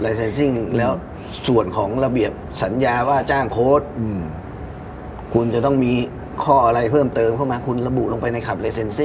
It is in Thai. แล้วส่วนของระเบียบสัญญาว่าจ้างโค้ดอืมคุณจะต้องมีข้ออะไรเพิ่มเติมเพราะมันคุณระบุลงไปในคลับ